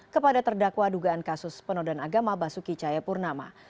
kepada terdakwa dugaan kasus penodan agama basuki cahayapurnama